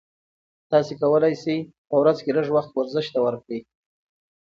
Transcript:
تاسي کولای شئ په ورځ کې لږ وخت ورزش ته ورکړئ.